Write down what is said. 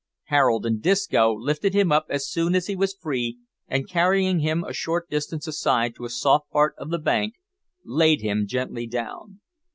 Harold and Disco lifted him up as soon as he was free, and carrying him a short distance aside to a soft part of the bank, laid him gently down.